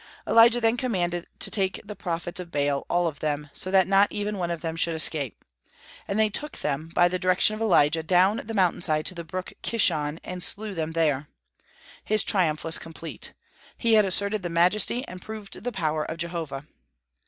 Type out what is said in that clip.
Elijah then commanded to take the prophets of Baal, all of them, so that not even one of them should escape. And they took them, by the direction of Elijah, down the mountain side to the brook Kishon, and slew them there. His triumph was complete. He had asserted the majesty and proved the power of Jehovah.